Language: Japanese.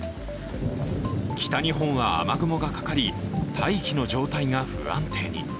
北日本は雨雲がかかり、大気の状態が不安定に。